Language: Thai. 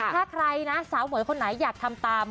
ถ้าใครนะสาวหมวยคนไหนอยากทำตาม